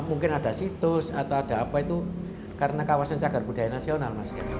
mungkin ada situs atau ada apa itu karena kawasan cagar budaya nasional